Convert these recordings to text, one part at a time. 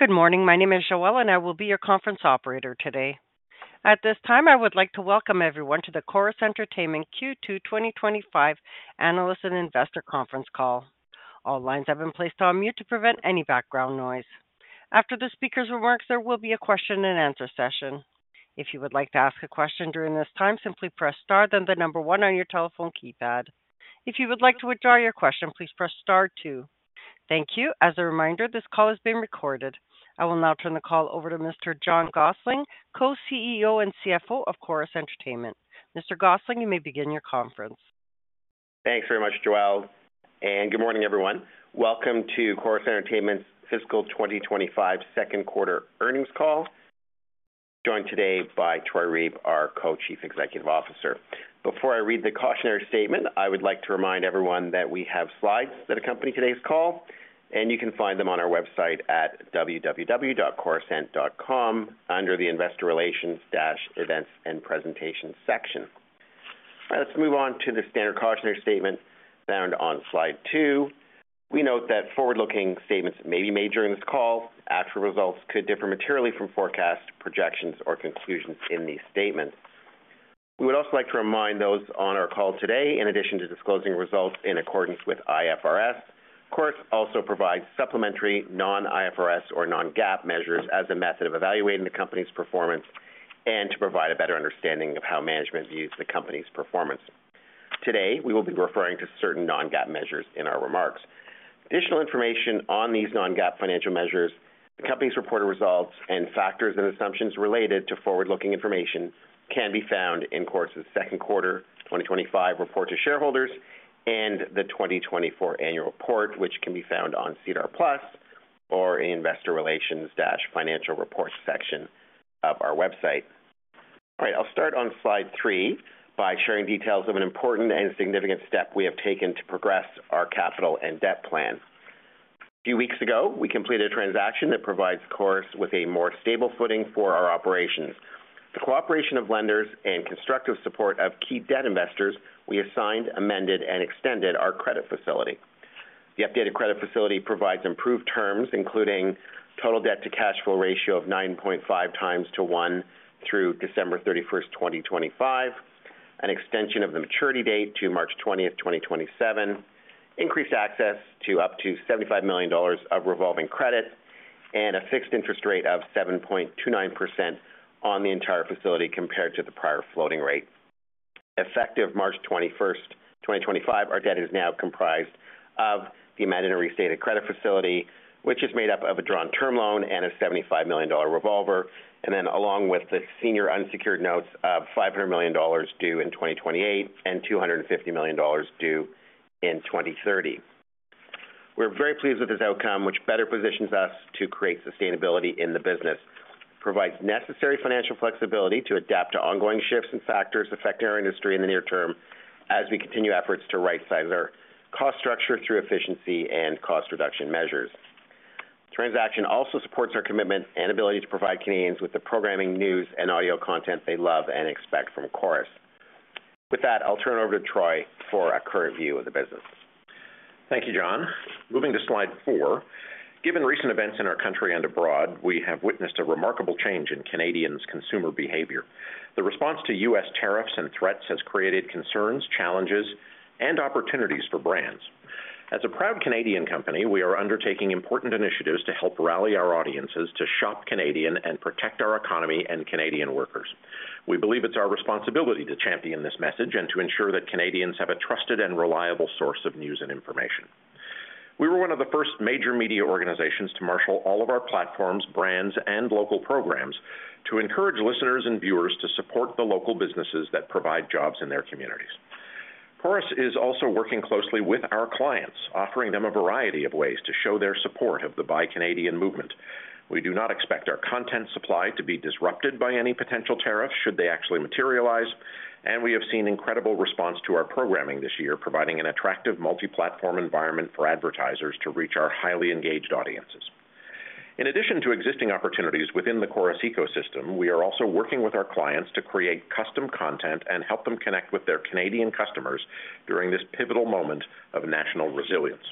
Good morning. My name is Joelle, and I will be your conference operator today. At this time, I would like to welcome everyone to the Corus Entertainment Q2 2025 Analysts and Investor Conference Call. All lines have been placed on mute to prevent any background noise. After the speaker's remarks, there will be a question-and-answer session. If you would like to ask a question during this time, simply press star, then the number one on your telephone keypad. If you would like to withdraw your question, please press star two. Thank you. As a reminder, this call is being recorded. I will now turn the call over to Mr. John Gossling, Co-CEO and CFO of Corus Entertainment. Mr. Gossling, you may begin your conference. Thanks very much, Joelle. Good morning, everyone. Welcome to Corus Entertainment's fiscal 2025 second quarter earnings call, joined today by Troy Reeb, our Co-Chief Executive Officer. Before I read the cautionary statement, I would like to remind everyone that we have slides that accompany today's call, and you can find them on our website at www.corusent.com under the Investor Relations/Events and Presentations section. All right, let's move on to the standard cautionary statement found on slide two. We note that forward-looking statements may be made during this call. Actual results could differ materially from forecast projections or conclusions in these statements. We would also like to remind those on our call today, in addition to disclosing results in accordance with IFRS, Corus also provides supplementary non-IFRS or non-GAAP measures as a method of evaluating the company's performance and to provide a better understanding of how management views the company's performance. Today, we will be referring to certain non-GAAP measures in our remarks. Additional information on these non-GAAP financial measures, the company's reported results, and factors and assumptions related to forward-looking information can be found in Corus's second quarter 2025 report to shareholders and the 2024 annual report, which can be found on SEDAR+ or Investor Relations/Financial Reports section of our website. All right, I'll start on slide three by sharing details of an important and significant step we have taken to progress our capital and debt plan. A few weeks ago, we completed a transaction that provides Corus with a more stable footing for our operations. With the cooperation of lenders and constructive support of key debt investors, we assigned, amended, and extended our credit facility. The updated credit facility provides improved terms, including a total debt-to-cash flow ratio of 9.5x to 1 through December 31st, 2025, an extension of the maturity date to March 20, 2027, increased access to up to 75 million dollars of revolving credit, and a fixed interest rate of 7.29% on the entire facility compared to the prior floating rate. Effective March 21st, 2025, our debt is now comprised of the amended and restated credit facility, which is made up of a drawn-term loan and a 75 million dollar revolver, and then along with the senior unsecured notes of 500 million dollars due in 2028 and 250 million dollars due in 2030. We're very pleased with this outcome, which better positions us to create sustainability in the business, provides necessary financial flexibility to adapt to ongoing shifts and factors affecting our industry in the near term as we continue efforts to right-size our cost structure through efficiency and cost reduction measures. The transaction also supports our commitment and ability to provide Canadians with the programming, news, and audio content they love and expect from Corus. With that, I'll turn it over to Troy for a current view of the business. Thank you, John. Moving to slide four. Given recent events in our country and abroad, we have witnessed a remarkable change in Canadians' consumer behavior. The response to U.S. tariffs and threats has created concerns, challenges, and opportunities for brands. As a proud Canadian company, we are undertaking important initiatives to help rally our audiences to shop Canadian and protect our economy and Canadian workers. We believe it's our responsibility to champion this message and to ensure that Canadians have a trusted and reliable source of news and information. We were one of the first major media organizations to marshal all of our platforms, brands, and local programs to encourage listeners and viewers to support the local businesses that provide jobs in their communities. Corus is also working closely with our clients, offering them a variety of ways to show their support of the Buy Canadian movement. We do not expect our content supply to be disrupted by any potential tariffs should they actually materialize, and we have seen incredible response to our programming this year, providing an attractive multi-platform environment for advertisers to reach our highly engaged audiences. In addition to existing opportunities within the Corus ecosystem, we are also working with our clients to create custom content and help them connect with their Canadian customers during this pivotal moment of national resilience.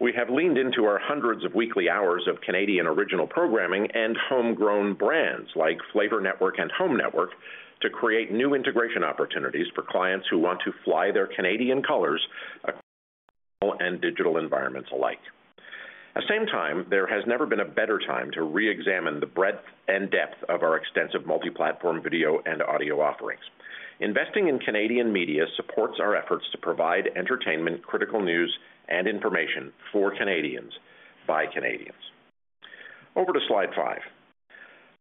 We have leaned into our hundreds of weekly hours of Canadian original programming and homegrown brands like Flavor Network and Home Network to create new integration opportunities for clients who want to fly their Canadian colors across regional and digital environments alike. At the same time, there has never been a better time to re-examine the breadth and depth of our extensive multi-platform video and audio offerings. Investing in Canadian media supports our efforts to provide entertainment, critical news, and information for Canadians by Canadians. Over to slide five.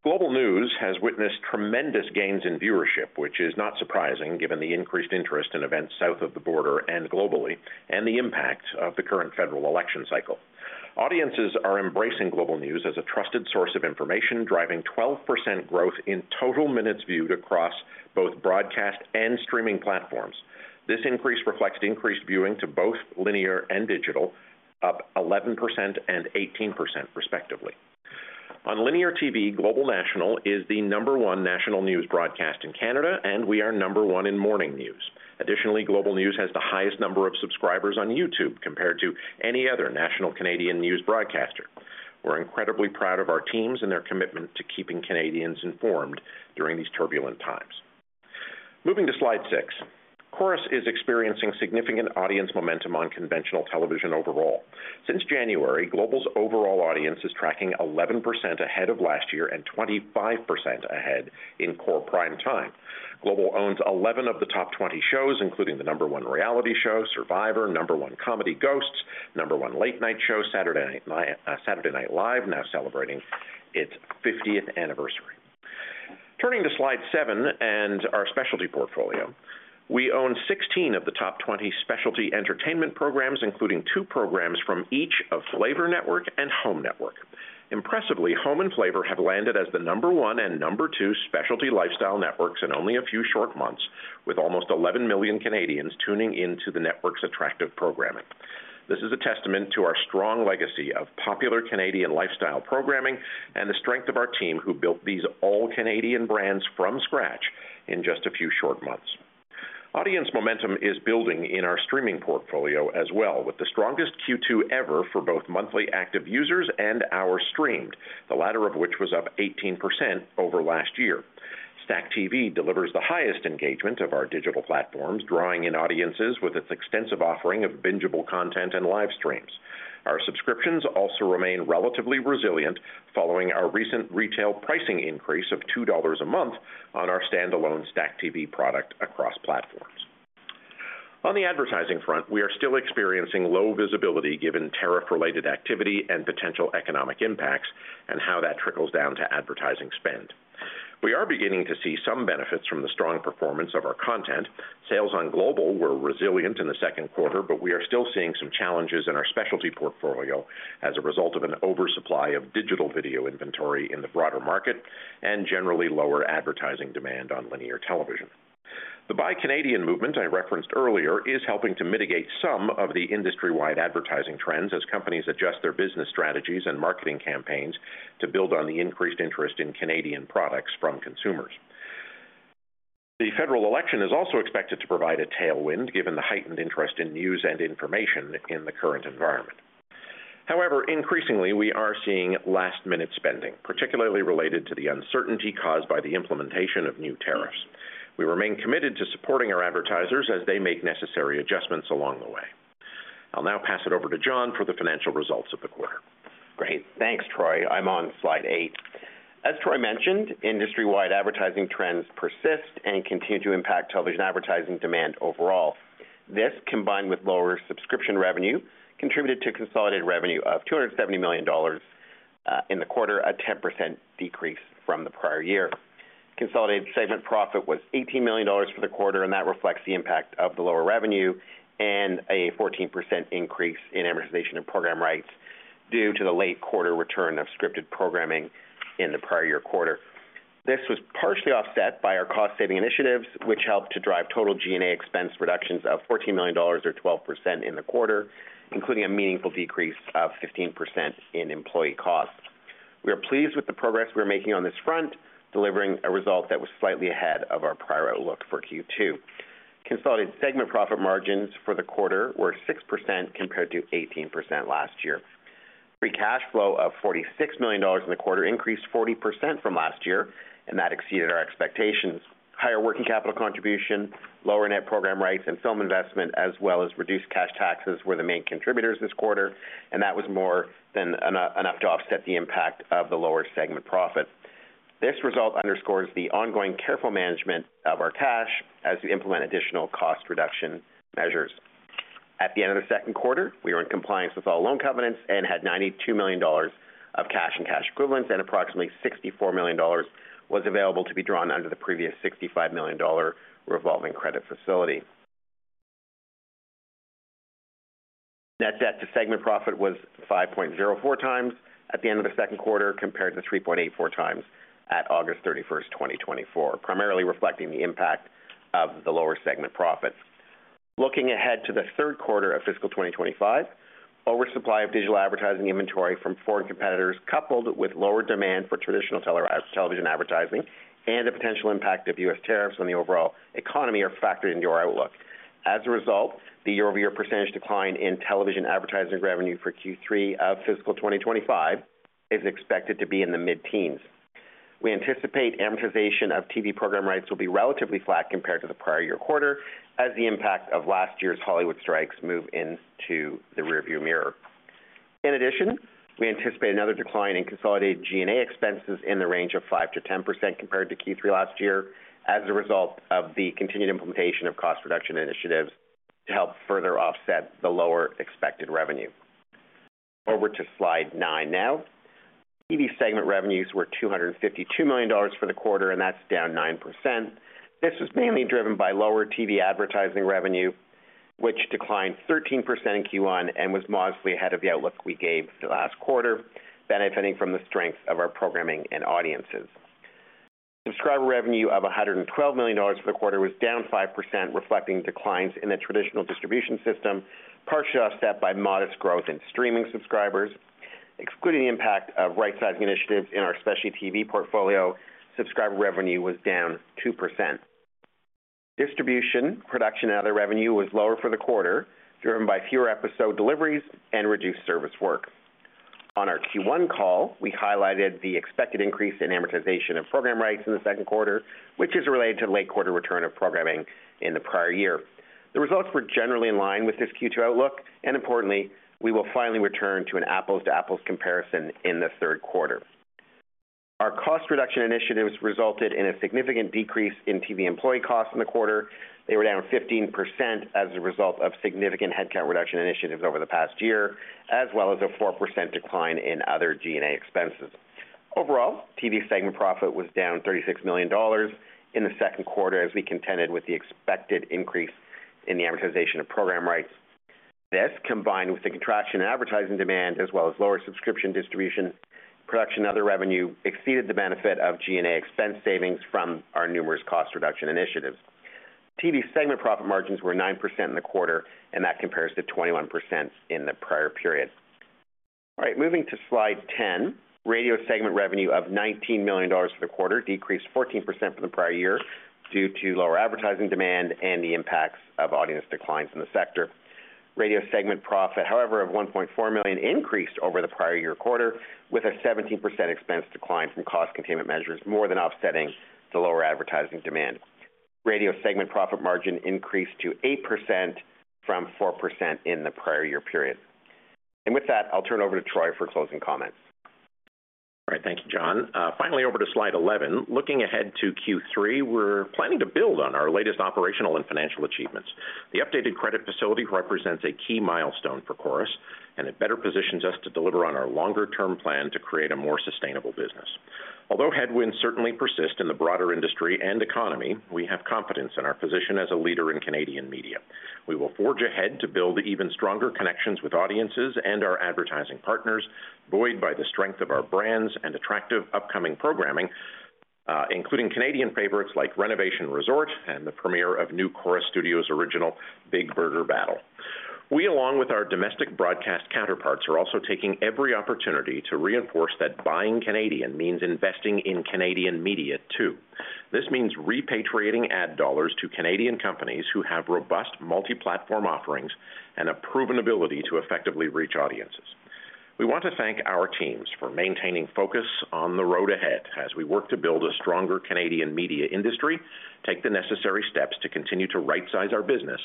Global News has witnessed tremendous gains in viewership, which is not surprising given the increased interest in events south of the border and globally and the impact of the current federal election cycle. Audiences are embracing Global News as a trusted source of information, driving 12% growth in total minutes viewed across both broadcast and streaming platforms. This increase reflects increased viewing to both linear and digital, up 11% and 18%, respectively. On linear TV, Global National is the number one national news broadcast in Canada, and we are number one in morning news. Additionally, Global News has the highest number of subscribers on YouTube compared to any other national Canadian news broadcaster. We're incredibly proud of our teams and their commitment to keeping Canadians informed during these turbulent times. Moving to slide six, Corus is experiencing significant audience momentum on conventional television overall. Since January, Global's overall audience is tracking 11% ahead of last year and 25% ahead in core prime time. Global owns 11 of the top 20 shows, including the number one reality show, Survivor, number one comedy, Ghosts, number one late-night show, Saturday Night Live, now celebrating its 50th anniversary. Turning to slide seven and our specialty portfolio, we own 16 of the top 20 specialty entertainment programs, including two programs from each of Flavor Network and Home Network. Impressively, Home and Flavor have landed as the number one and number two specialty lifestyle networks in only a few short months, with almost 11 million Canadians tuning into the networks' attractive programming. This is a testament to our strong legacy of popular Canadian lifestyle programming and the strength of our team who built these all Canadian brands from scratch in just a few short months. Audience momentum is building in our streaming portfolio as well, with the strongest Q2 ever for both monthly active users and hours streamed, the latter of which was up 18% over last year. Stack TV delivers the highest engagement of our digital platforms, drawing in audiences with its extensive offering of bingeable content and live streams. Our subscriptions also remain relatively resilient, following our recent retail pricing increase of 2 dollars a month on our standalone Stack TV product across platforms. On the advertising front, we are still experiencing low visibility given tariff-related activity and potential economic impacts and how that trickles down to advertising spend. We are beginning to see some benefits from the strong performance of our content. Sales on Global were resilient in the second quarter, but we are still seeing some challenges in our specialty portfolio as a result of an oversupply of digital video inventory in the broader market and generally lower advertising demand on linear television. The Buy Canadian movement I referenced earlier is helping to mitigate some of the industry-wide advertising trends as companies adjust their business strategies and marketing campaigns to build on the increased interest in Canadian products from consumers. The federal election is also expected to provide a tailwind given the heightened interest in news and information in the current environment. However, increasingly, we are seeing last-minute spending, particularly related to the uncertainty caused by the implementation of new tariffs. We remain committed to supporting our advertisers as they make necessary adjustments along the way. I'll now pass it over to John for the financial results of the quarter. Great. Thanks, Troy. I'm on slide eight. As Troy mentioned, industry-wide advertising trends persist and continue to impact television advertising demand overall. This, combined with lower subscription revenue, contributed to consolidated revenue of 270 million dollars in the quarter, a 10% decrease from the prior year. Consolidated segment profit was 18 million dollars for the quarter, and that reflects the impact of the lower revenue and a 14% increase in amortization of program rights due to the late quarter return of scripted programming in the prior year quarter. This was partially offset by our cost-saving initiatives, which helped to drive total G&A expense reductions of 14 million dollars, or 12%, in the quarter, including a meaningful decrease of 15% in employee costs. We are pleased with the progress we are making on this front, delivering a result that was slightly ahead of our prior outlook for Q2. Consolidated segment profit margins for the quarter were 6% compared to 18% last year. Free cash flow of 46 million dollars in the quarter increased 40% from last year, and that exceeded our expectations. Higher working capital contribution, lower net program rights, and film investment, as well as reduced cash taxes, were the main contributors this quarter, and that was more than enough to offset the impact of the lower segment profit. This result underscores the ongoing careful management of our cash as we implement additional cost-reduction measures. At the end of the second quarter, we were in compliance with all loan covenants and had 92 million dollars of cash and cash equivalents, and approximately 64 million dollars was available to be drawn under the previous 65 million dollar revolving credit facility. Net debt to segment profit was 5.04x at the end of the second quarter compared to 3.84x at August 31st, 2024, primarily reflecting the impact of the lower segment profits. Looking ahead to the third quarter of fiscal 2025, oversupply of digital advertising inventory from foreign competitors, coupled with lower demand for traditional television advertising and the potential impact of U.S. tariffs on the overall economy, are factored into our outlook. As a result, the year-over-year % decline in television advertising revenue for Q3 of fiscal 2025 is expected to be in the mid-teens. We anticipate amortization of TV program rights will be relatively flat compared to the prior year quarter, as the impact of last year's Hollywood strikes moves into the rearview mirror. In addition, we anticipate another decline in consolidated G&A expenses in the range of 5%-10% compared to Q3 last year, as a result of the continued implementation of cost-reduction initiatives to help further offset the lower expected revenue. Over to slide nine now. TV segment revenues were 252 million dollars for the quarter, and that's down 9%. This was mainly driven by lower TV advertising revenue, which declined 13% in Q1 and was modestly ahead of the outlook we gave for the last quarter, benefiting from the strength of our programming and audiences. Subscriber revenue of 112 million dollars for the quarter was down 5%, reflecting declines in the traditional distribution system, partially offset by modest growth in streaming subscribers. Excluding the impact of right-sizing initiatives in our specialty TV portfolio, subscriber revenue was down 2%. Distribution, production, and other revenue were lower for the quarter, driven by fewer episode deliveries and reduced service work. On our Q1 call, we highlighted the expected increase in amortization of program rights in the second quarter, which is related to the late quarter return of programming in the prior year. The results were generally in line with this Q2 outlook, and importantly, we will finally return to an apples-to-apples comparison in the third quarter. Our cost-reduction initiatives resulted in a significant decrease in TV employee costs in the quarter. They were down 15% as a result of significant headcount reduction initiatives over the past year, as well as a 4% decline in other G&A expenses. Overall, TV segment profit was down 36 million dollars in the second quarter as we contended with the expected increase in the amortization of program rights. This, combined with the contraction in advertising demand, as well as lower subscription distribution, production and other revenue, exceeded the benefit of G&A expense savings from our numerous cost-reduction initiatives. TV segment profit margins were 9% in the quarter, and that compares to 21% in the prior period. All right, moving to slide ten, radio segment revenue of 19 million dollars for the quarter decreased 14% from the prior year due to lower advertising demand and the impacts of audience declines in the sector. Radio segment profit, however, of 1.4 million increased over the prior year quarter, with a 17% expense decline from cost containment measures more than offsetting the lower advertising demand. Radio segment profit margin increased to 8% from 4% in the prior year period. With that, I'll turn it over to Troy for closing comments. All right, thank you, John. Finally, over to slide 11. Looking ahead to Q3, we're planning to build on our latest operational and financial achievements. The updated credit facility represents a key milestone for Corus, and it better positions us to deliver on our longer-term plan to create a more sustainable business. Although headwinds certainly persist in the broader industry and economy, we have confidence in our position as a leader in Canadian media. We will forge ahead to build even stronger connections with audiences and our advertising partners, buoyed by the strength of our brands and attractive upcoming programming, including Canadian favorites like Renovation Resort and the premiere of new Corus Studios' original Big Burger Battle. We, along with our domestic broadcast counterparts, are also taking every opportunity to reinforce that buying Canadian means investing in Canadian media too. This means repatriating ad dollars to Canadian companies who have robust multi-platform offerings and a proven ability to effectively reach audiences. We want to thank our teams for maintaining focus on the road ahead as we work to build a stronger Canadian media industry, take the necessary steps to continue to right-size our business,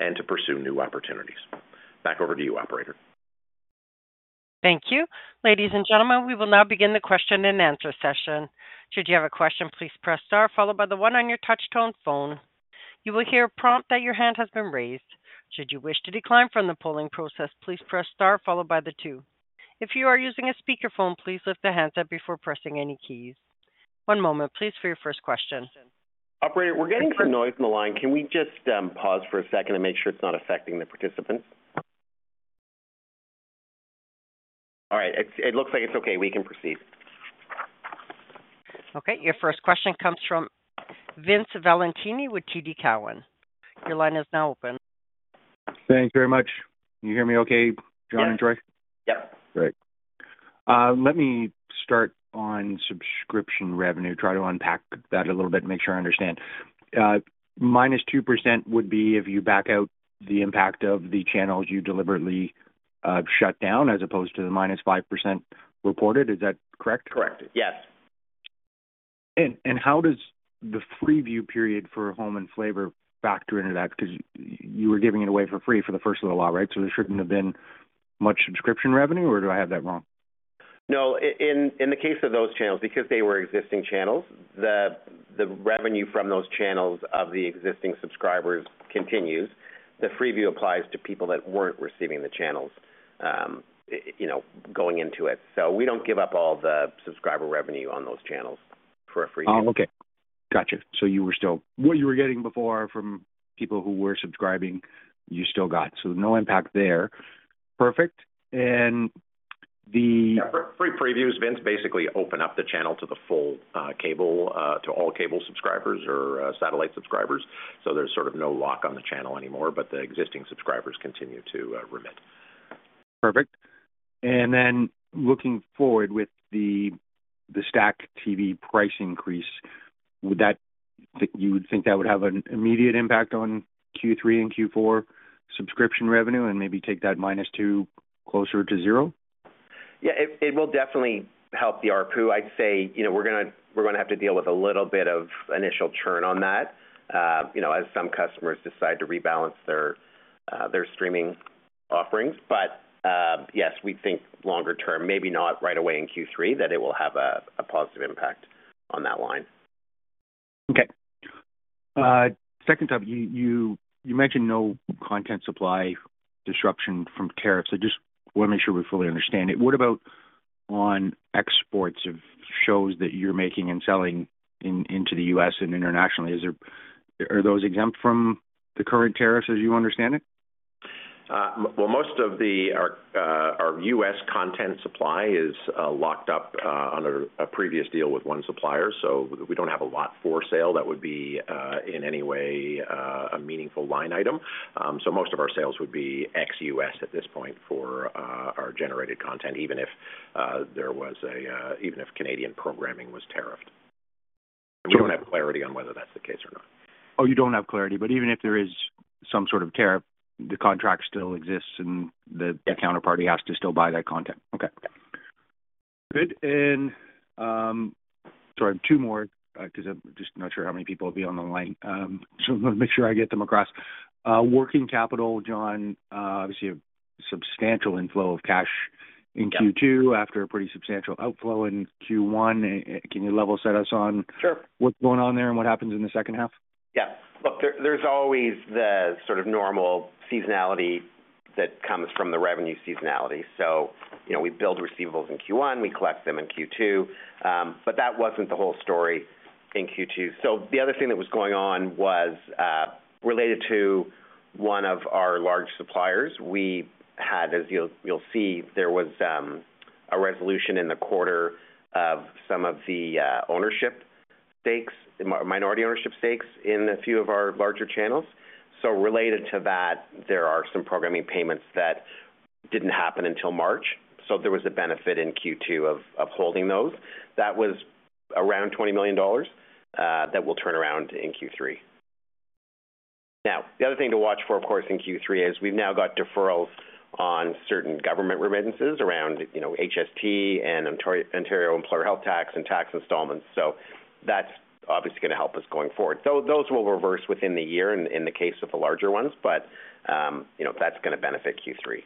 and to pursue new opportunities. Back over to you, operator. Thank you. Ladies and gentlemen, we will now begin the question and answer session. Should you have a question, please press star, followed by the one on your touch-tone phone. You will hear a prompt that your hand has been raised. Should you wish to decline from the polling process, please press star, followed by the two. If you are using a speakerphone, please lift the handset before pressing any keys. One moment, please, for your first question. Operator, we're getting some noise on the line. Can we just pause for a second and make sure it's not affecting the participants? All right, it looks like it's okay. We can proceed. Okay, your first question comes from Vince Valentini with TD Cowen. Your line is now open. Thank you very much. Can you hear me okay, John and Troy? Yep. Great. Let me start on subscription revenue, try to unpack that a little bit and make sure I understand. Minus 2% would be if you back out the impact of the channels you deliberately shut down, as opposed to the -5% reported. Is that correct? Correct. Yes. How does the free view period for Home and Flavor factor into that? Because you were giving it away for free for the first little while, right? So there should not have been much subscription revenue, or do I have that wrong? No, in the case of those channels, because they were existing channels, the revenue from those channels of the existing subscribers continues. The free view applies to people that were not receiving the channels going into it. We do not give up all the subscriber revenue on those channels for a free view. Oh, okay. Gotcha. You were still. What you were getting before from people who were subscribing, you still got. No impact there. Perfect. The. Yeah, free previews, Vince, basically open up the channel to the full cable, to all cable subscribers or satellite subscribers. There is sort of no lock on the channel anymore, but the existing subscribers continue to remit. Perfect. Looking forward with the Stack TV price increase, you would think that would have an immediate impact on Q3 and Q4 subscription revenue and maybe take that minus two closer to zero? Yeah, it will definitely help the ARPU. I'd say we're going to have to deal with a little bit of initial churn on that as some customers decide to rebalance their streaming offerings. Yes, we think longer term, maybe not right away in Q3, that it will have a positive impact on that line. Okay. Second topic, you mentioned no content supply disruption from tariffs. I just want to make sure we fully understand it. What about on exports of shows that you're making and selling into the U.S. and internationally? Are those exempt from the current tariffs as you understand it? Most of our U.S. content supply is locked up under a previous deal with one supplier. We do not have a lot for sale. That would not be in any way a meaningful line item. Most of our sales would be ex-U.S. at this point for our generated content, even if Canadian programming was tariffed. We do not have clarity on whether that is the case or not. Oh, you don't have clarity. Even if there is some sort of tariff, the contract still exists and the counterparty has to still buy that content. Okay. Yeah. Good. Sorry, two more because I'm just not sure how many people will be on the line. I want to make sure I get them across. Working capital, John, obviously a substantial inflow of cash in Q2 after a pretty substantial outflow in Q1. Can you level set us on what's going on there and what happens in the second half? Yeah. Look, there's always the sort of normal seasonality that comes from the revenue seasonality. We build receivables in Q1. We collect them in Q2. That was not the whole story in Q2. The other thing that was going on was related to one of our large suppliers. We had, as you'll see, there was a resolution in the quarter of some of the ownership stakes, minority ownership stakes in a few of our larger channels. Related to that, there are some programming payments that did not happen until March. There was a benefit in Q2 of holding those. That was around 20 million dollars that will turn around in Q3. The other thing to watch for, of course, in Q3 is we have now got deferrals on certain government remittances around HST and Ontario Employer Health Tax and tax installments. That is obviously going to help us going forward. Those will reverse within the year in the case of the larger ones, but that is going to benefit Q3.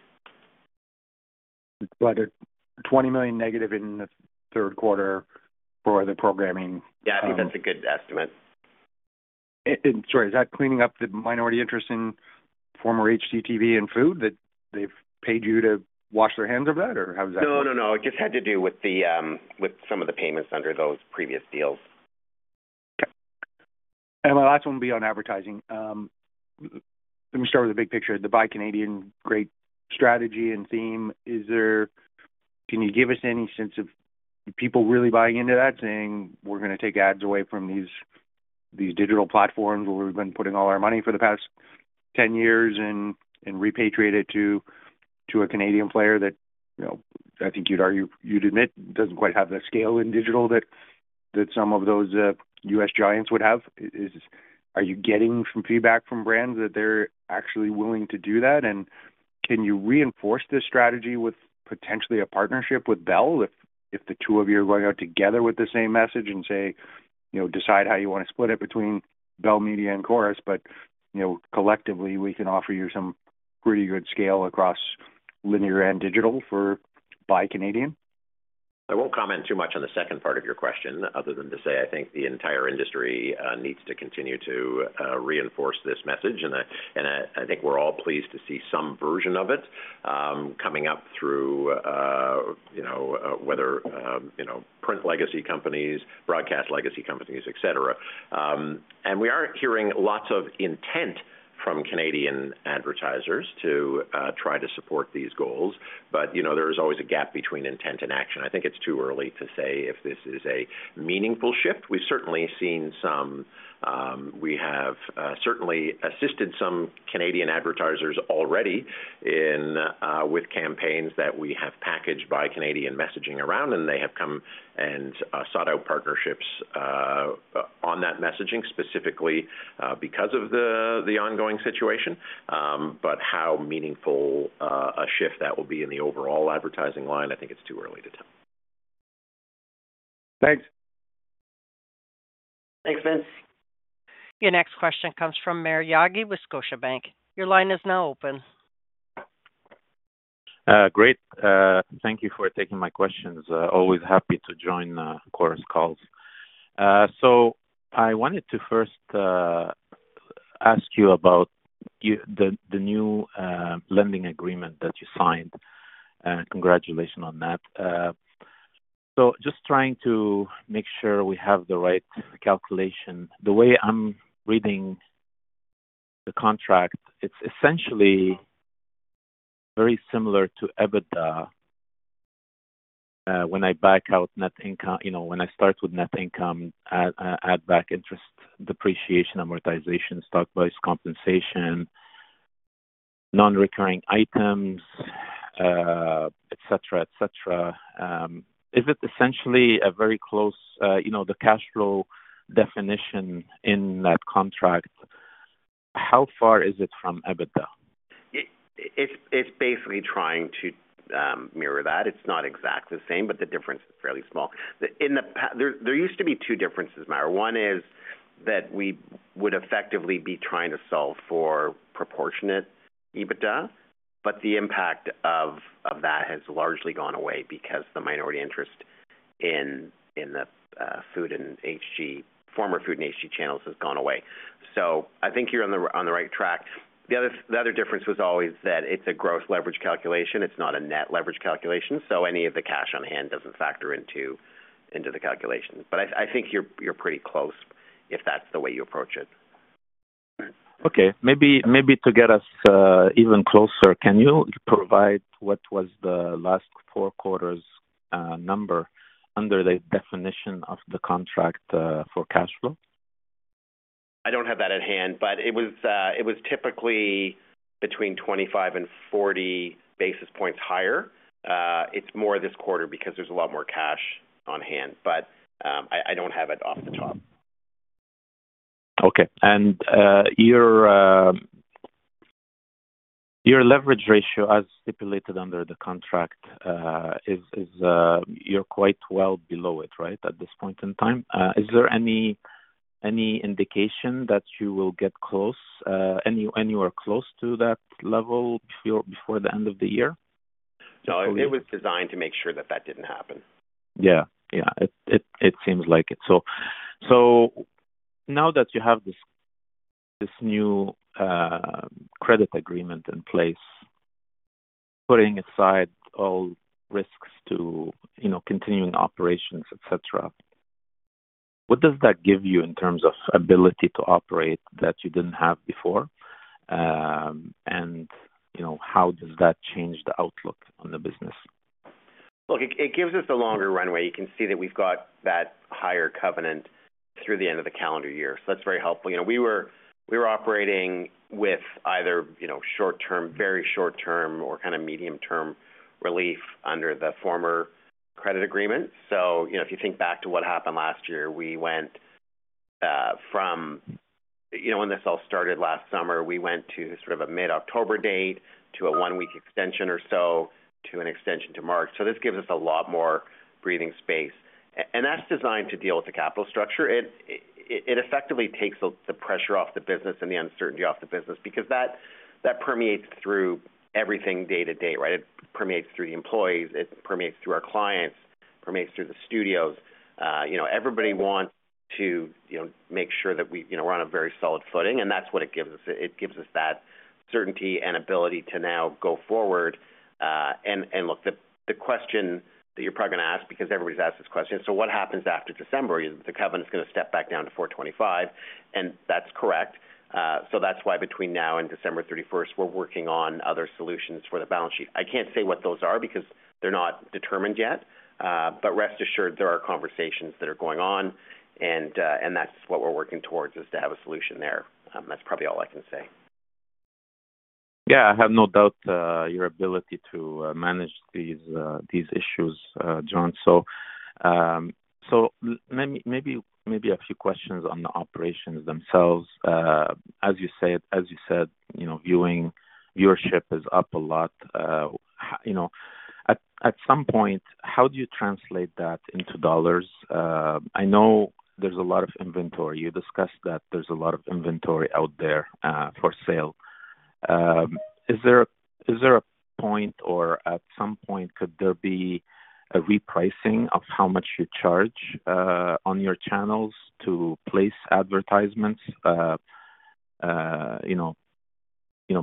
20 million negative in the third quarter for the programming. Yeah, I think that's a good estimate. Troy, is that cleaning up the minority interest in former HTTV and Food that they've paid you to wash their hands of that, or how does that? No, no, no. It just had to do with some of the payments under those previous deals. Okay. My last one will be on advertising. Let me start with the big picture. The buy Canadian great strategy and theme, can you give us any sense of people really buying into that, saying, "We're going to take ads away from these digital platforms where we've been putting all our money for the past 10 years and repatriate it to a Canadian player that I think you'd argue you'd admit doesn't quite have the scale in digital that some of those U.S. giants would have"? Are you getting some feedback from brands that they're actually willing to do that? Can you reinforce this strategy with potentially a partnership with Bell if the two of you are going out together with the same message and say, "Decide how you want to split it between Bell Media and Corus, but collectively, we can offer you some pretty good scale across linear and digital for buy Canadian"? I will not comment too much on the second part of your question other than to say I think the entire industry needs to continue to reinforce this message. I think we are all pleased to see some version of it coming up through whether print legacy companies, broadcast legacy companies, etc. We are hearing lots of intent from Canadian advertisers to try to support these goals. There is always a gap between intent and action. I think it is too early to say if this is a meaningful shift. We have certainly seen some. We have certainly assisted some Canadian advertisers already with campaigns that we have packaged buy Canadian messaging around, and they have come and sought out partnerships on that messaging specifically because of the ongoing situation. How meaningful a shift that will be in the overall advertising line, I think it is too early to tell. Thanks. Thanks, Vince. Your next question comes from Maher Yaghi with Scotiabank. Your line is now open. Great. Thank you for taking my questions. Always happy to join Corus calls. I wanted to first ask you about the new lending agreement that you signed. Congratulations on that. Just trying to make sure we have the right calculation. The way I'm reading the contract, it's essentially very similar to EBITDA when I back out net income, when I start with net income, add back interest, depreciation, amortization, stock price compensation, non-recurring items, etc., etc. Is it essentially a very close cash flow definition in that contract, how far is it from EBITDA? It's basically trying to mirror that. It's not exactly the same, but the difference is fairly small. There used to be two differences, Maher. One is that we would effectively be trying to solve for proportionate EBITDA, but the impact of that has largely gone away because the minority interest in the Food and HG, former Food and HG channels, has gone away. I think you're on the right track. The other difference was always that it's a gross leverage calculation. It's not a net leverage calculation. Any of the cash on hand doesn't factor into the calculation. I think you're pretty close if that's the way you approach it. Okay. Maybe to get us even closer, can you provide what was the last four quarters number under the definition of the contract for cash flow? I don't have that at hand, but it was typically between 25 and 40 basis points higher. It is more this quarter because there is a lot more cash on hand. I don't have it off the top. Okay. Your leverage ratio, as stipulated under the contract, you're quite well below it, right, at this point in time? Is there any indication that you will get close, anywhere close to that level before the end of the year? No. It was designed to make sure that that didn't happen. Yeah. Yeah. It seems like it. Now that you have this new credit agreement in place, putting aside all risks to continuing operations, etc., what does that give you in terms of ability to operate that you did not have before? How does that change the outlook on the business? Look, it gives us a longer runway. You can see that we've got that higher covenant through the end of the calendar year. That is very helpful. We were operating with either short-term, very short-term, or kind of medium-term relief under the former credit agreement. If you think back to what happened last year, we went from when this all started last summer, we went to sort of a mid-October date to a one-week extension or so to an extension to March. This gives us a lot more breathing space. That is designed to deal with the capital structure. It effectively takes the pressure off the business and the uncertainty off the business because that permeates through everything day to day, right? It permeates through the employees. It permeates through our clients. It permeates through the studios. Everybody wants to make sure that we're on a very solid footing. That is what it gives us. It gives us that certainty and ability to now go forward. Look, the question that you're probably going to ask, because everybody's asked this question, what happens after December? The covenant is going to step back down to 4.25. That is correct. That is why between now and December 31st, we're working on other solutions for the balance sheet. I can't say what those are because they're not determined yet. Rest assured, there are conversations that are going on. That is what we're working towards, to have a solution there. That is probably all I can say. Yeah. I have no doubt your ability to manage these issues, John. Maybe a few questions on the operations themselves. As you said, viewership is up a lot. At some point, how do you translate that into dollars? I know there's a lot of inventory. You discussed that there's a lot of inventory out there for sale. Is there a point or at some point, could there be a repricing of how much you charge on your channels to place advertisements,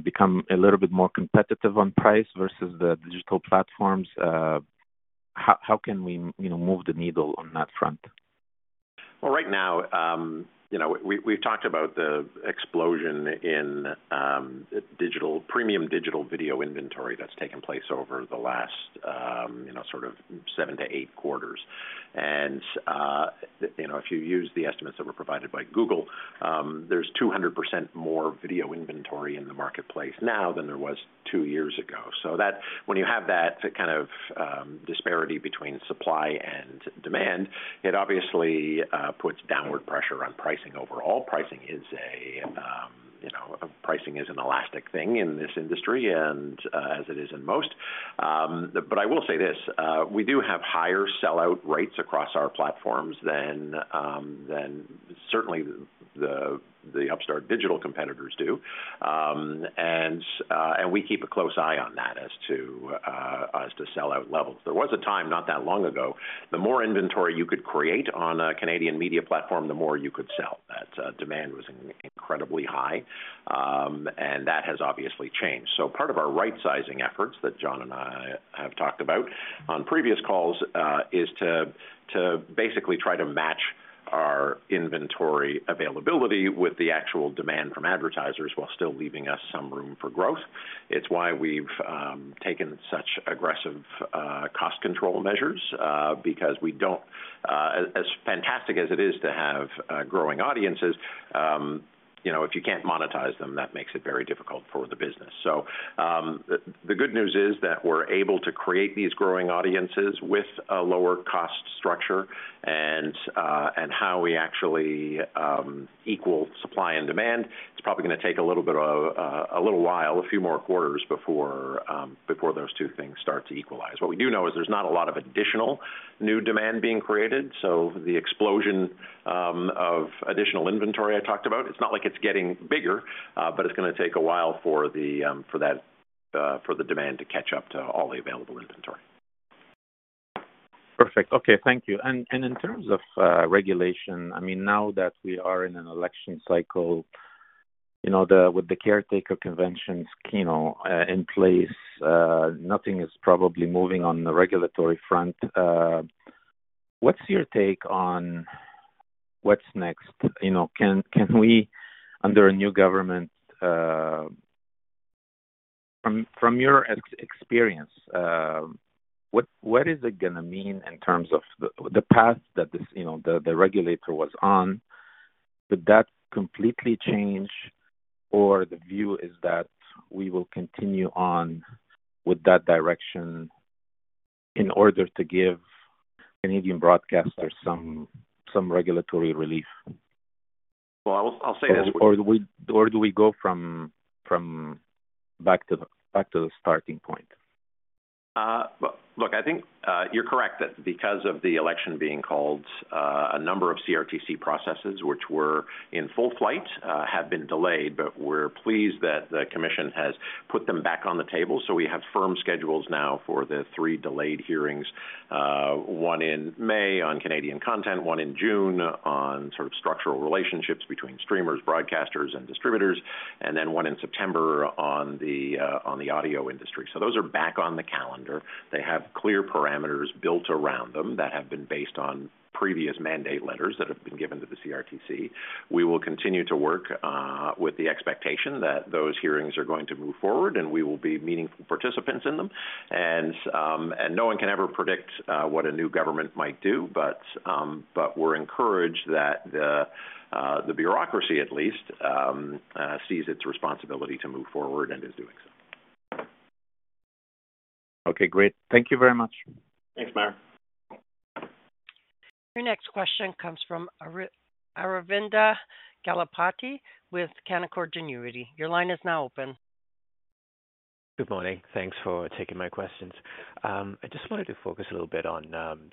become a little bit more competitive on price versus the digital platforms? How can we move the needle on that front? Right now, we've talked about the explosion in premium digital video inventory that's taken place over the last sort of seven to eight quarters. If you use the estimates that were provided by Google, there's 200% more video inventory in the marketplace now than there was two years ago. When you have that kind of disparity between supply and demand, it obviously puts downward pressure on pricing overall. Pricing is an elastic thing in this industry, as it is in most. I will say this. We do have higher sellout rates across our platforms than certainly the upstart digital competitors do. We keep a close eye on that as to sellout levels. There was a time not that long ago. The more inventory you could create on a Canadian media platform, the more you could sell. That demand was incredibly high. That has obviously changed. Part of our right-sizing efforts that John and I have talked about on previous calls is to basically try to match our inventory availability with the actual demand from advertisers while still leaving us some room for growth. It is why we have taken such aggressive cost control measures because as fantastic as it is to have growing audiences, if you cannot monetize them, that makes it very difficult for the business. The good news is that we are able to create these growing audiences with a lower cost structure. How we actually equal supply and demand, it is probably going to take a little while, a few more quarters before those two things start to equalize. What we do know is there is not a lot of additional new demand being created. The explosion of additional inventory I talked about, it's not like it's getting bigger, but it's going to take a while for the demand to catch up to all the available inventory. Perfect. Okay. Thank you. In terms of regulation, I mean, now that we are in an election cycle with the caretaker conventions in place, nothing is probably moving on the regulatory front. What's your take on what's next? Can we, under a new government, from your experience, what is it going to mean in terms of the path that the regulator was on? Would that completely change, or the view is that we will continue on with that direction in order to give Canadian broadcasters some regulatory relief? I'll say this. Do we go back to the starting point? Look, I think you're correct that because of the election being called, a number of CRTC processes, which were in full flight, have been delayed. We are pleased that the commission has put them back on the table. We have firm schedules now for the three delayed hearings, one in May on Canadian content, one in June on sort of structural relationships between streamers, broadcasters, and distributors, and one in September on the audio industry. Those are back on the calendar. They have clear parameters built around them that have been based on previous mandate letters that have been given to the CRTC. We will continue to work with the expectation that those hearings are going to move forward, and we will be meaningful participants in them. No one can ever predict what a new government might do, but we're encouraged that the bureaucracy, at least, sees its responsibility to move forward and is doing so. Okay. Great. Thank you very much. Thanks, Mayra. Your next question comes from Aravinda Galappatthige with Canaccord Genuity. Your line is now open. Good morning. Thanks for taking my questions. I just wanted to focus a little bit on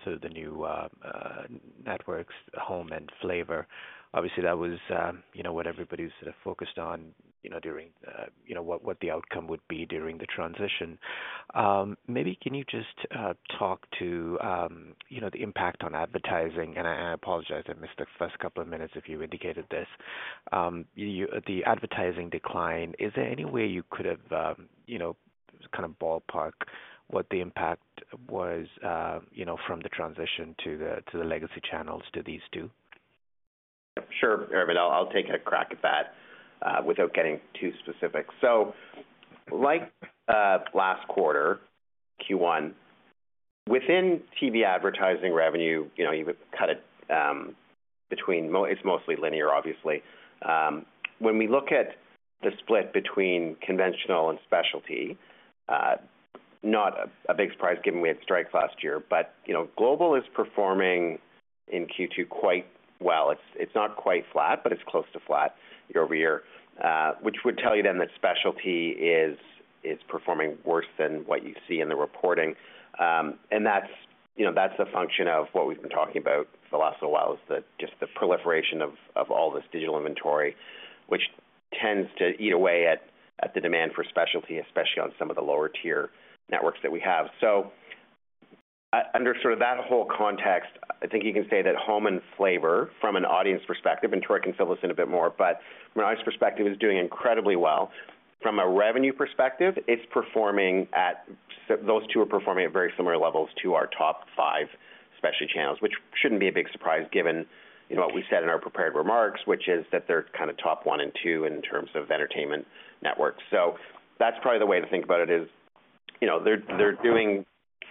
sort of the new networks, Home and Flavor. Obviously, that was what everybody was sort of focused on during what the outcome would be during the transition. Maybe can you just talk to the impact on advertising? I apologize I missed the first couple of minutes if you indicated this. The advertising decline, is there any way you could have kind of ballparked what the impact was from the transition to the legacy channels to these two? Sure, Aravinda. I'll take a crack at that without getting too specific. Like last quarter, Q1, within TV advertising revenue, you would cut it between it's mostly linear, obviously. When we look at the split between conventional and specialty, not a big surprise given we had strikes last year, but Global is performing in Q2 quite well. It's not quite flat, but it's close to flat year-over-year, which would tell you then that specialty is performing worse than what you see in the reporting. That's a function of what we've been talking about for the last little while, just the proliferation of all this digital inventory, which tends to eat away at the demand for specialty, especially on some of the lower-tier networks that we have. Under sort of that whole context, I think you can say that Home and Flavor, from an audience perspective, and Troy can fill this in a bit more, but from an audience perspective, is doing incredibly well. From a revenue perspective, those two are performing at very similar levels to our top five specialty channels, which should not be a big surprise given what we said in our prepared remarks, which is that they are kind of top one and two in terms of entertainment networks. That is probably the way to think about it, is they are doing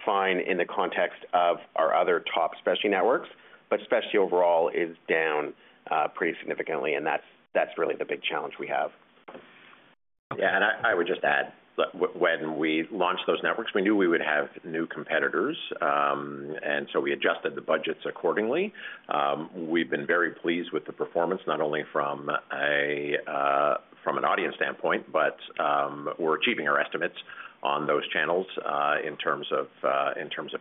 fine in the context of our other top specialty networks, but specialty overall is down pretty significantly. That is really the big challenge we have. Yeah. I would just add, when we launched those networks, we knew we would have new competitors. We adjusted the budgets accordingly. We've been very pleased with the performance, not only from an audience standpoint, but we're achieving our estimates on those channels in terms of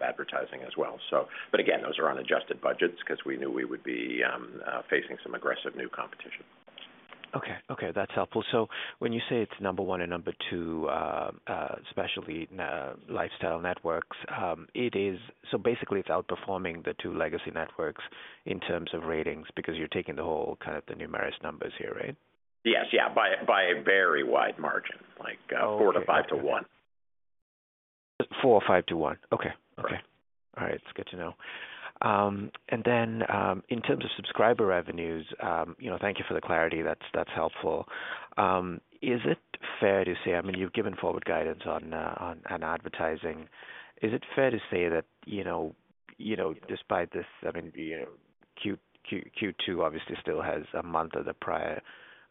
advertising as well. Again, those are unadjusted budgets because we knew we would be facing some aggressive new competition. Okay. Okay. That's helpful. When you say it's number one and number two specialty lifestyle networks, basically, it's outperforming the two legacy networks in terms of ratings because you're taking the whole kind of the numeric numbers here, right? Yes. Yeah, by a very wide margin, like four to five to one. Four or five to one. Okay. Okay. All right. That's good to know. In terms of subscriber revenues, thank you for the clarity. That's helpful. Is it fair to say, I mean, you've given forward guidance on advertising. Is it fair to say that despite this, I mean, Q2 obviously still has a month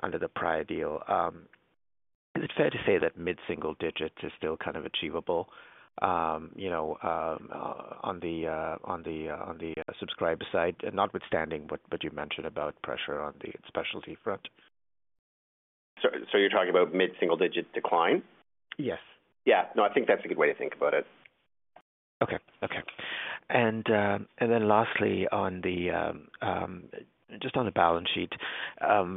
under the prior deal, is it fair to say that mid-single digits is still kind of achievable on the subscriber side, notwithstanding what you mentioned about pressure on the specialty front? You're talking about mid-single digit decline? Yes. Yeah. No, I think that's a good way to think about it. Okay. Okay. Lastly, just on the balance sheet, I've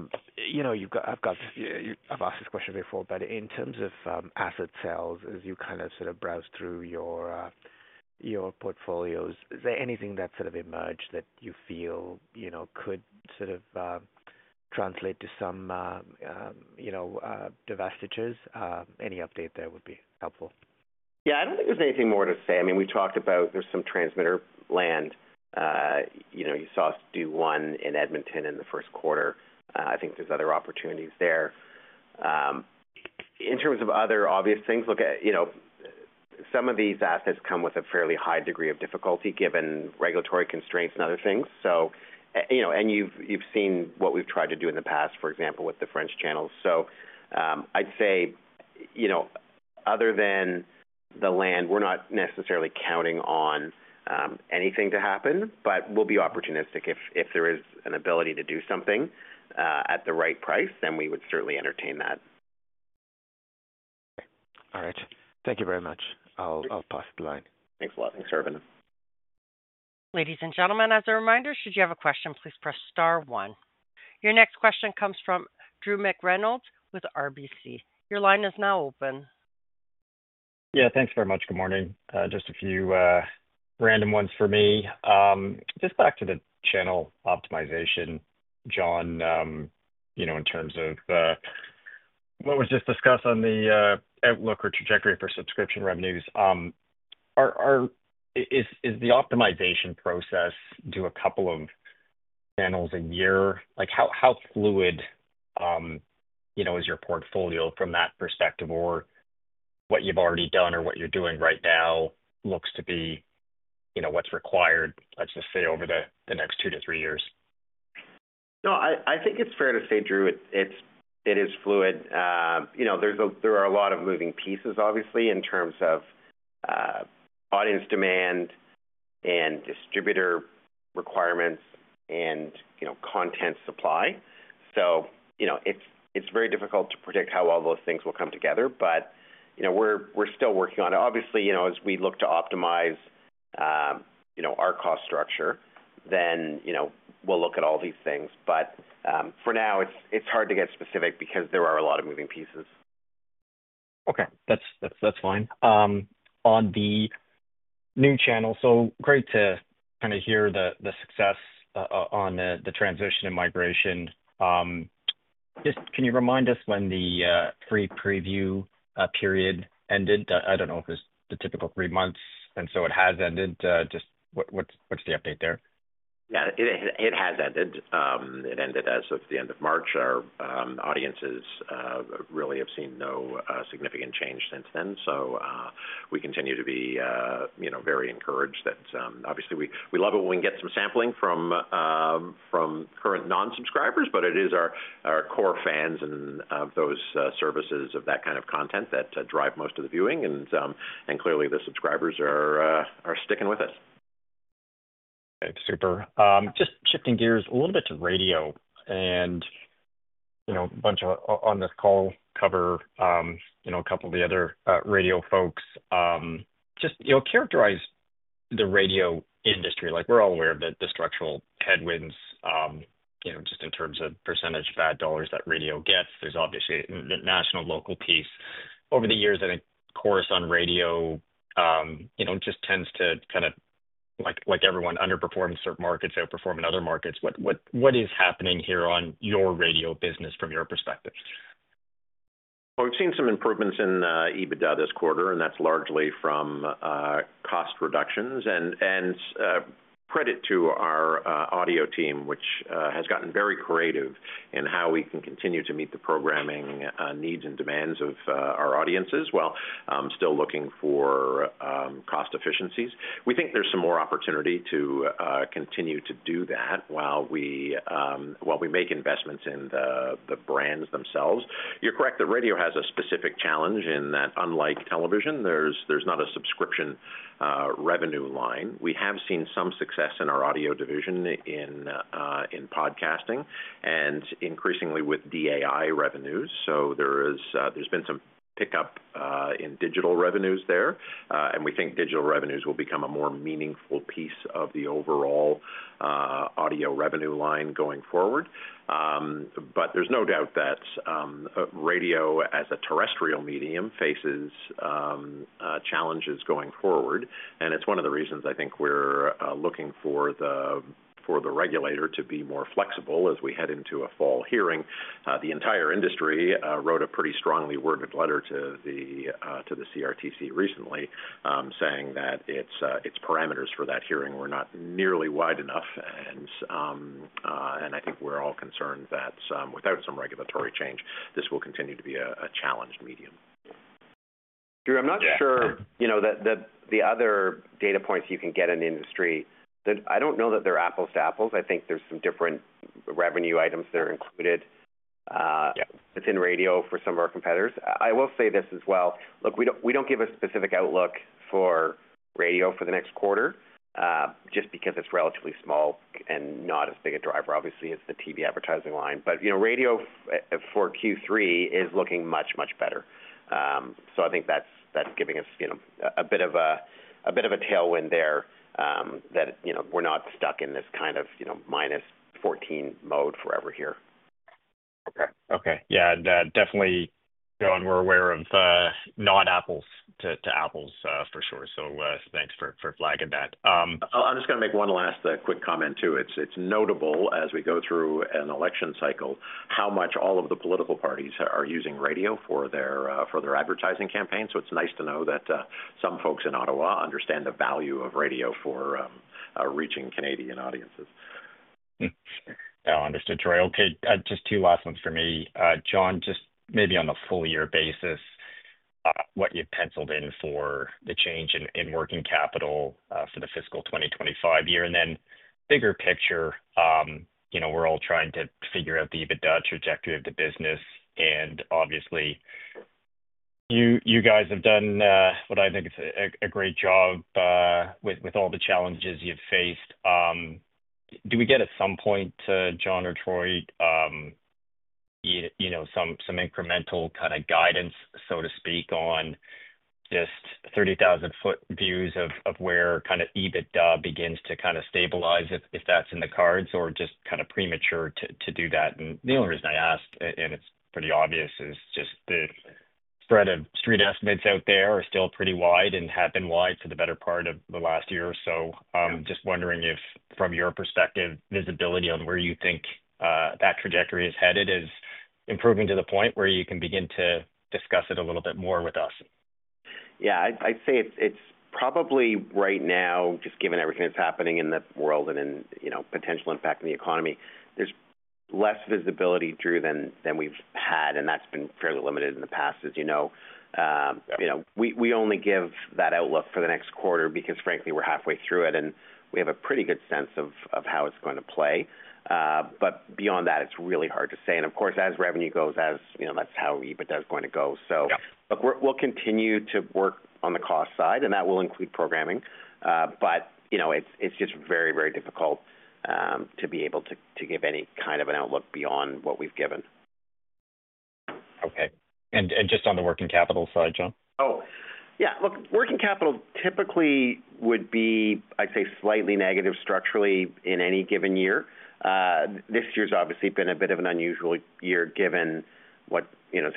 asked this question before, but in terms of asset sales, as you kind of sort of browse through your portfolios, is there anything that's sort of emerged that you feel could sort of translate to some divestitures? Any update there would be helpful. Yeah. I do not think there is anything more to say. I mean, we have talked about there is some transmitter land. You saw us do one in Edmonton in the first quarter. I think there are other opportunities there. In terms of other obvious things, look, some of these assets come with a fairly high degree of difficulty given regulatory constraints and other things. You have seen what we have tried to do in the past, for example, with the French channels. I would say other than the land, we are not necessarily counting on anything to happen, but we will be opportunistic. If there is an ability to do something at the right price, then we would certainly entertain that. Okay. All right. Thank you very much. I'll pass the line. Thanks a lot. Thanks, Aravinda. Ladies and gentlemen, as a reminder, should you have a question, please press star one. Your next question comes from Drew McReynolds with RBC. Your line is now open. Yeah. Thanks very much. Good morning. Just a few random ones for me. Just back to the channel optimization, John, in terms of what was just discussed on the outlook or trajectory for subscription revenues, is the optimization process do a couple of channels a year? How fluid is your portfolio from that perspective? Or what you've already done or what you're doing right now looks to be what's required, let's just say, over the next two to three years? No, I think it's fair to say, Drew, it is fluid. There are a lot of moving pieces, obviously, in terms of audience demand and distributor requirements and content supply. It is very difficult to predict how all those things will come together, but we're still working on it. Obviously, as we look to optimize our cost structure, then we'll look at all these things. For now, it's hard to get specific because there are a lot of moving pieces. Okay. That's fine. On the new channel, great to kind of hear the success on the transition and migration. Just can you remind us when the free preview period ended? I don't know if it's the typical three months, and it has ended. Just what's the update there? Yeah. It has ended. It ended as of the end of March. Our audiences really have seen no significant change since then. We continue to be very encouraged that obviously, we love it when we get some sampling from current non-subscribers, but it is our core fans and those services of that kind of content that drive most of the viewing. Clearly, the subscribers are sticking with us. Okay. Super. Just shifting gears a little bit to radio and a bunch of on this call, cover a couple of the other radio folks. Just characterize the radio industry. We're all aware of the structural headwinds just in terms of % of ad dollars that radio gets. There's obviously the national, local piece. Over the years, I think Corus on radio just tends to kind of, like everyone, underperform in certain markets, outperform in other markets. What is happening here on your radio business from your perspective? We have seen some improvements in EBITDA this quarter, and that's largely from cost reductions. Credit to our audio team, which has gotten very creative in how we can continue to meet the programming needs and demands of our audiences while still looking for cost efficiencies. We think there's some more opportunity to continue to do that while we make investments in the brands themselves. You're correct that radio has a specific challenge in that, unlike television, there's not a subscription revenue line. We have seen some success in our audio division in podcasting and increasingly with DAI revenues. There has been some pickup in digital revenues there. We think digital revenues will become a more meaningful piece of the overall audio revenue line going forward. There is no doubt that radio as a terrestrial medium faces challenges going forward. It is one of the reasons I think we're looking for the regulator to be more flexible as we head into a fall hearing. The entire industry wrote a pretty strongly worded letter to the CRTC recently saying that its parameters for that hearing were not nearly wide enough. I think we're all concerned that without some regulatory change, this will continue to be a challenged medium. Drew, I'm not sure that the other data points you can get in the industry, I don't know that they're apples to apples. I think there's some different revenue items that are included within radio for some of our competitors. I will say this as well. Look, we don't give a specific outlook for radio for the next quarter just because it's relatively small and not as big a driver, obviously, as the TV advertising line. Radio for Q3 is looking much, much better. I think that's giving us a bit of a tailwind there that we're not stuck in this kind of -14 mode forever here. Okay. Okay. Yeah. Definitely, John, we're aware of not apples to apples for sure. Thanks for flagging that. I'm just going to make one last quick comment too. It's notable as we go through an election cycle how much all of the political parties are using radio for their advertising campaign. It's nice to know that some folks in Ottawa understand the value of radio for reaching Canadian audiences. I'll understood, Troy. Okay. Just two last ones for me. John, just maybe on a full-year basis, what you've penciled in for the change in working capital for the fiscal 2025 year. Bigger picture, we're all trying to figure out the EBITDA trajectory of the business. Obviously, you guys have done what I think is a great job with all the challenges you've faced. Do we get at some point, John or Troy, some incremental kind of guidance, so to speak, on just 30,000-foot views of where kind of EBITDA begins to kind of stabilize if that's in the cards or just kind of premature to do that? The only reason I ask, and it's pretty obvious, is just the spread of street estimates out there are still pretty wide and have been wide for the better part of the last year. Just wondering if, from your perspective, visibility on where you think that trajectory is headed is improving to the point where you can begin to discuss it a little bit more with us. Yeah. I'd say it's probably right now, just given everything that's happening in the world and in potential impact on the economy, there's less visibility, Drew, than we've had. That's been fairly limited in the past, as you know. We only give that outlook for the next quarter because, frankly, we're halfway through it, and we have a pretty good sense of how it's going to play. Beyond that, it's really hard to say. Of course, as revenue goes, that's how EBITDA is going to go. Look, we'll continue to work on the cost side, and that will include programming. It's just very, very difficult to be able to give any kind of an outlook beyond what we've given. Okay. Just on the working capital side, John? Oh. Yeah. Look, working capital typically would be, I'd say, slightly negative structurally in any given year. This year has obviously been a bit of an unusual year given what's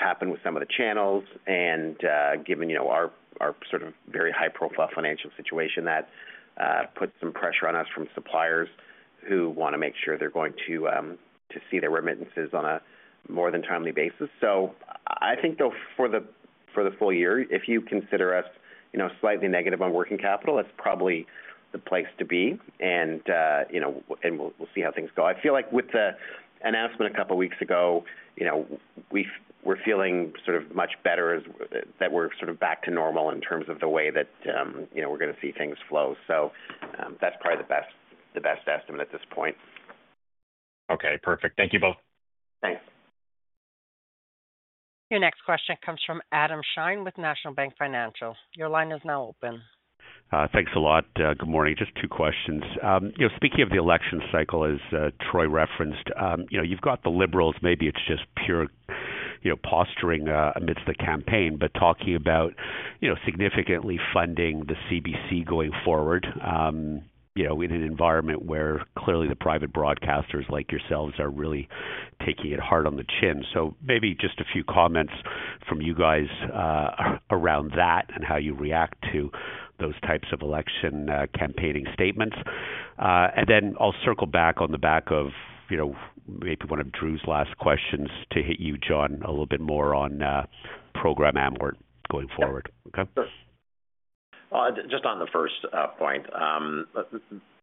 happened with some of the channels and given our sort of very high-profile financial situation that puts some pressure on us from suppliers who want to make sure they're going to see their remittances on a more than timely basis. I think, though, for the full year, if you consider us slightly negative on working capital, that's probably the place to be. We'll see how things go. I feel like with the announcement a couple of weeks ago, we're feeling sort of much better that we're sort of back to normal in terms of the way that we're going to see things flow. That's probably the best estimate at this point. Okay. Perfect. Thank you both. Thanks. Your next question comes from Adam Schein with National Bank Financial. Your line is now open. Thanks a lot. Good morning. Just two questions. Speaking of the election cycle, as Troy referenced, you've got the Liberals. Maybe it's just pure posturing amidst the campaign, but talking about significantly funding the CBC going forward in an environment where clearly the private broadcasters like yourselves are really taking it hard on the chin. Maybe just a few comments from you guys around that and how you react to those types of election campaigning statements. I'll circle back on the back of maybe one of Drew's last questions to hit you, John, a little bit more on program amor going forward. Okay? Sure. Just on the first point,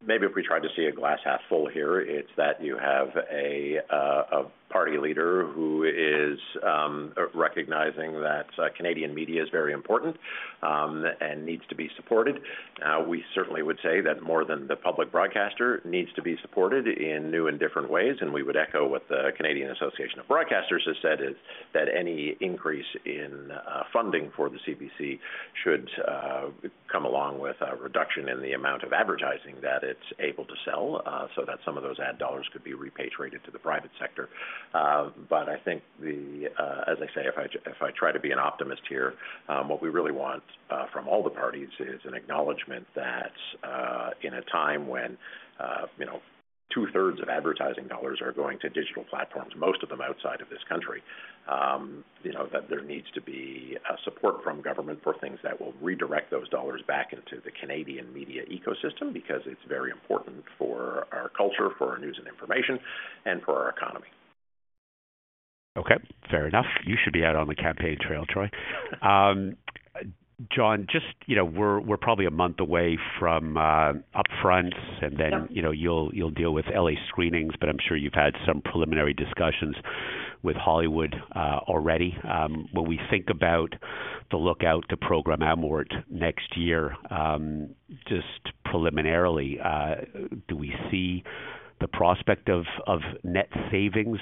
maybe if we tried to see a glass half full here, it's that you have a party leader who is recognizing that Canadian media is very important and needs to be supported. We certainly would say that more than the public broadcaster needs to be supported in new and different ways. We would echo what the Canadian Association of Broadcasters has said is that any increase in funding for the CBC should come along with a reduction in the amount of advertising that it's able to sell so that some of those ad dollars could be repatriated to the private sector. I think, as I say, if I try to be an optimist here, what we really want from all the parties is an acknowledgment that in a time when two-thirds of advertising dollars are going to digital platforms, most of them outside of this country, that there needs to be support from government for things that will redirect those dollars back into the Canadian media ecosystem because it's very important for our culture, for our news and information, and for our economy. Okay. Fair enough. You should be out on the campaign trail, Troy. John, just we're probably a month away from upfront, and then you'll deal with L.A. Screenings, but I'm sure you've had some preliminary discussions with Hollywood already. When we think about the lookout to program amortization next year, just preliminarily, do we see the prospect of net savings,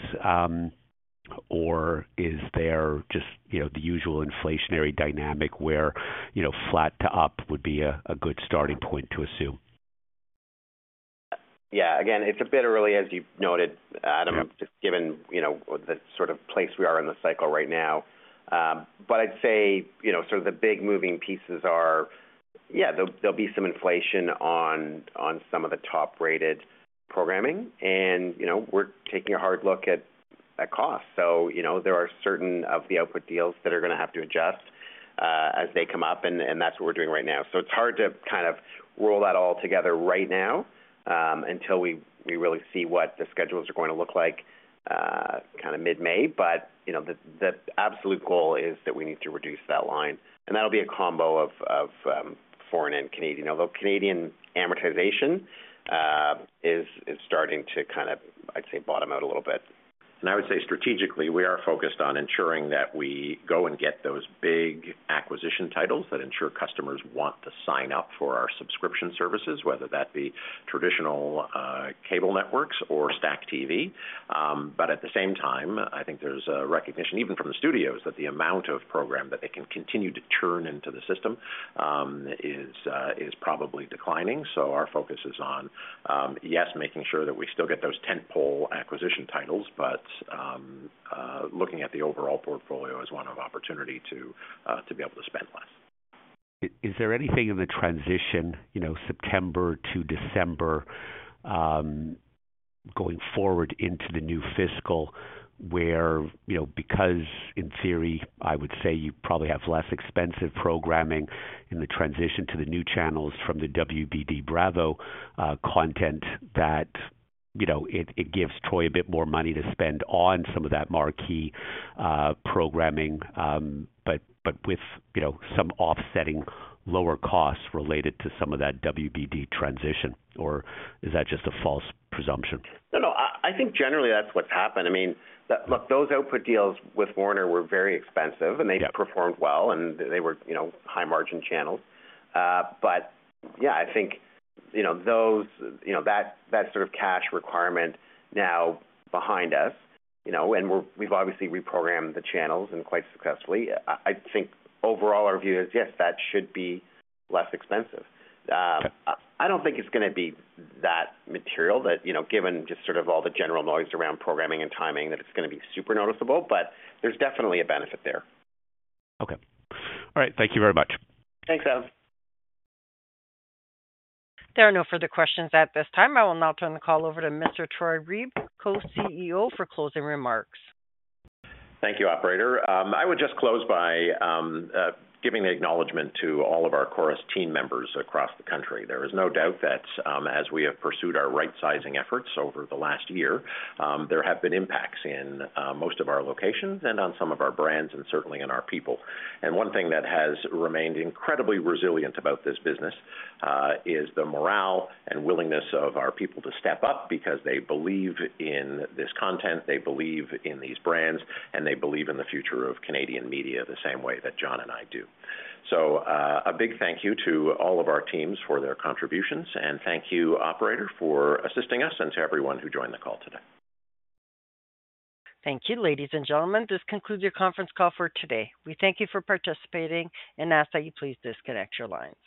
or is there just the usual inflationary dynamic where flat to up would be a good starting point to assume? Yeah. Again, it's a bit early, as you've noted, Adam, just given the sort of place we are in the cycle right now. I'd say sort of the big moving pieces are, yeah, there'll be some inflation on some of the top-rated programming. We're taking a hard look at costs. There are certain of the output deals that are going to have to adjust as they come up, and that's what we're doing right now. It's hard to kind of roll that all together right now until we really see what the schedules are going to look like kind of mid-May. The absolute goal is that we need to reduce that line. That'll be a combo of foreign and Canadian. Although Canadian amortization is starting to kind of, I'd say, bottom out a little bit. I would say strategically, we are focused on ensuring that we go and get those big acquisition titles that ensure customers want to sign up for our subscription services, whether that be traditional cable networks or Stack TV. At the same time, I think there is a recognition even from the studios that the amount of program that they can continue to turn into the system is probably declining. Our focus is on, yes, making sure that we still get those tentpole acquisition titles, but looking at the overall portfolio as one of opportunity to be able to spend less. Is there anything in the transition, September to December, going forward into the new fiscal where, because in theory, I would say you probably have less expensive programming in the transition to the new channels from the WBD Bravo content, that it gives Troy a bit more money to spend on some of that marquee programming but with some offsetting lower costs related to some of that WBD transition? Is that just a false presumption? No, no. I think generally that's what's happened. I mean, look, those output deals with Warner were very expensive, and they performed well, and they were high-margin channels. Yeah, I think that sort of cash requirement now behind us, and we've obviously reprogrammed the channels quite successfully. I think overall our view is, yes, that should be less expensive. I do not think it's going to be that material that, given just sort of all the general noise around programming and timing, that it's going to be super noticeable, but there's definitely a benefit there. Okay. All right. Thank you very much. Thanks, Adam. There are no further questions at this time. I will now turn the call over to Mr. Troy Reeb, Co-CEO, for closing remarks. Thank you, operator. I would just close by giving the acknowledgment to all of our Corus team members across the country. There is no doubt that as we have pursued our right-sizing efforts over the last year, there have been impacts in most of our locations and on some of our brands and certainly in our people. One thing that has remained incredibly resilient about this business is the morale and willingness of our people to step up because they believe in this content, they believe in these brands, and they believe in the future of Canadian media the same way that John and I do. A big thank you to all of our teams for their contributions. Thank you, operator, for assisting us and to everyone who joined the call today. Thank you, ladies and gentlemen. This concludes your conference call for today. We thank you for participating and ask that you please disconnect your lines.